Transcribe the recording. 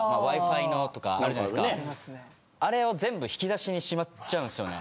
あれを全部引き出しにしまっちゃうんですよね。